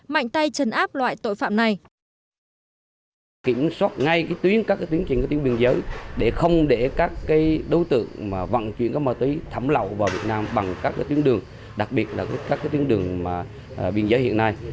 mạnh tay trần áp loại tội phạm này